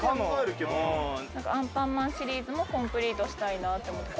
アンパンマンシリーズもコンプリートしたいなと思って。